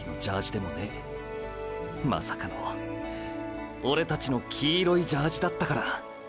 まさかのオレたちの黄色いジャージだったから。